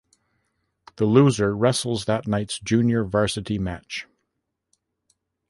The loser wrestles that night's junior varsity match.